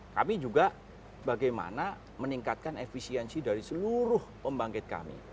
kami juga bagaimana meningkatkan efisiensi dari seluruh pembangkit kami